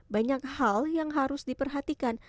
banyak hal yang harus diperhatikan